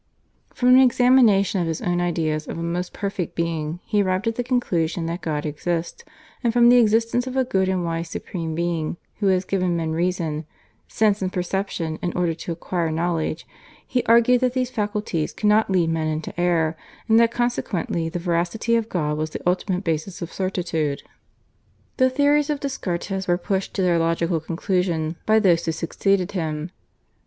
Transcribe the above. From an examination of his own ideas of a most perfect being he arrived at the conclusion that God exists, and from the existence of a good and wise supreme Being who has given men reason, sense, and perception in order to acquire knowledge, he argued that these faculties cannot lead men into error, and that consequently the veracity of God was the ultimate basis of certitude. The theories of Descartes were pushed to their logical conclusion by those who succeeded him.